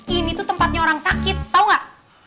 ini tuh tempatnya orang sakit tau gak